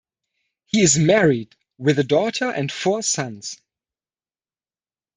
He is married, with a daughter and four sons.